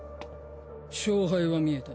勝敗は見えた。